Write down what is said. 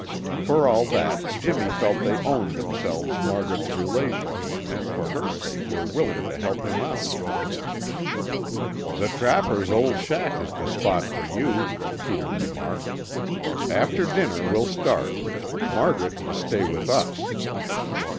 For all that, Jimmy felt they owned themselves Margaret's relations and for her sake were willing to help him out. "The trapper's old shack is the spot for you," Peter remarked. "After dinner we'll start. Margaret must stay with us."